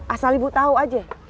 asal ibu tau aja